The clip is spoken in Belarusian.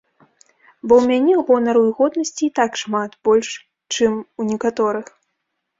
Бо ў мяне гонару і годнасці і так шмат, больш, чым у некаторых.